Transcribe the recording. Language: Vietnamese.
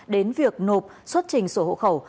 đến việc nộp xuất trình sổ hộ khẩu